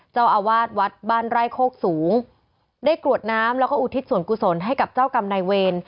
เจ้าอาวาสวัดบ้านไร่โคกสูงได้กรวดน้ำแล้วก็อุทิศส่วนกุศลให้กับเจ้ากรรมนายเวร